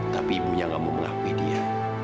tapi ibunya gak mau mengakui dia